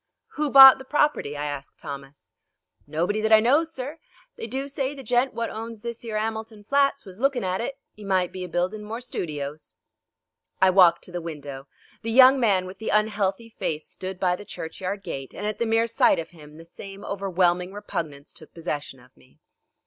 "Who bought the property?" I asked Thomas. "Nobody that I knows, sir. They do say the gent wot owns this 'ere 'Amilton flats was lookin' at it. 'E might be a bildin' more studios." I walked to the window. The young man with the unhealthy face stood by the churchyard gate, and at the mere sight of him the same overwhelming repugnance took possession of me.